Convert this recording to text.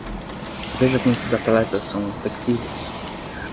Veja como esses atletas são flexíveis!